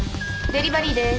デリバリーです。